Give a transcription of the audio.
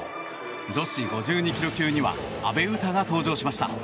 女子５２ｋｇ級には阿部詩が登場しました。